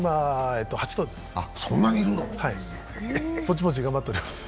へえ、そんなにいるの？